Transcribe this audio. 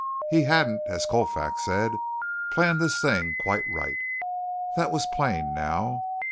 He hadn't, as Colfax said, planned this thing quite right. That was plain now.